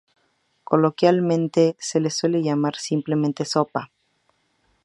Coloquialmente, se le suele llamar simplemente "sopa".